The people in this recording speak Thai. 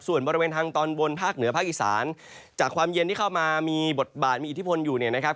ส่วนบริเวณทางตอนบนภาคเหนือภาคอีสานจากความเย็นที่เข้ามามีบทบาทมีอิทธิพลอยู่เนี่ยนะครับ